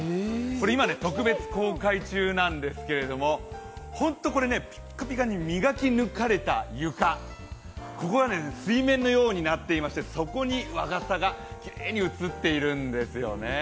今、特別公開中なんですけれどもほんと、これ、ピッカピカに磨き抜かれた床、ここが水面のようになっていまして、そこに和傘がきれいに写っているんですよね。